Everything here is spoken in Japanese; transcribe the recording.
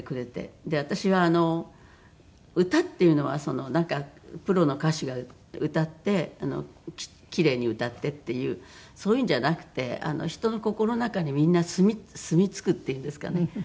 で私は歌っていうのはプロの歌手が歌って奇麗に歌ってっていうそういうんじゃなくて人の心の中にみんなすみ着くっていうんですかね。